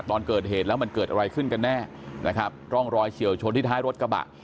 ตอนเกิดเหตุแล้วมันเกิดอะไรขึ้นกันแน่นะครับร่องรอยเฉียวชนที่ท้ายรถกระบะ